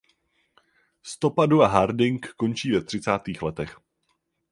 Stopa Dua Harding končí ve třicátých letech.